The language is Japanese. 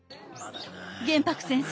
玄白先生